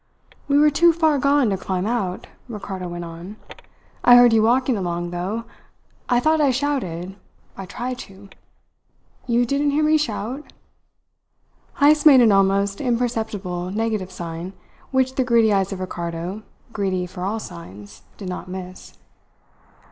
"We were too far gone to climb out," Ricardo went on. "I heard you walking along though. I thought I shouted; I tried to. You didn't hear me shout?" Heyst made an almost imperceptible negative sign, which the greedy eyes of Ricardo greedy for all signs did not miss.